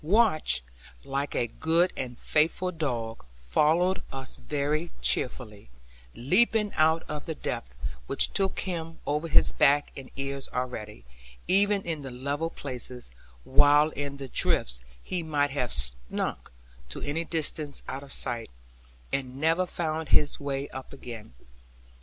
Watch, like a good and faithful dog, followed us very cheerfully, leaping out of the depth, which took him over his back and ears already, even in the level places; while in the drifts he might have sunk to any distance out of sight, and never found his way up again.